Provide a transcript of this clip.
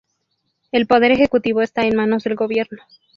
El poder ejecutivo está en manos del gobierno.